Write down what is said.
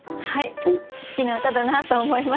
好きな歌だなと思いました。